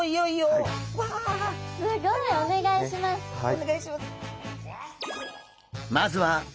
お願いします。